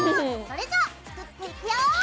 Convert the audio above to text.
それじゃ作っていくよ！